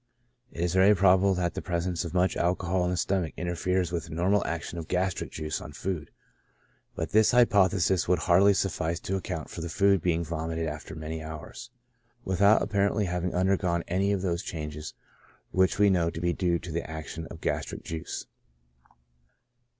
It is very probable that the pres ence of much alcohol in the stomach interferes with the normal action of gastric juice on food, but this hypothesis would hardly suffice to account for the food being vomited after many hours, without apparently having undergone any of those changes which we know to be due to the action of the gastric juice.